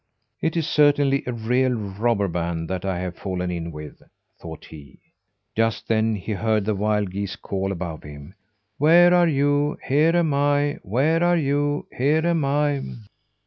"It is certainly a real robber band that I've fallen in with," thought he. Just then he heard the wild geese's call above him. "Where are you? Here am I. Where are you? Here am I."